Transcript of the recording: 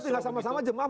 tidak sama sama jemaah